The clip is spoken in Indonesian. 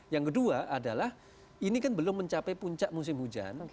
yang kedua adalah ini kan belum mencapai puncak musim hujan